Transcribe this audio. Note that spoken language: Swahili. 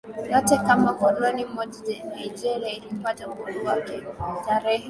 yote kama koloni mojaNigeria ilipata uhuru wake tarehe